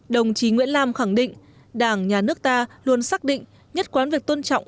đồng chí nguyễn lam khẳng định đảng nhà nước ta luôn xác định nhất quán việc tôn trọng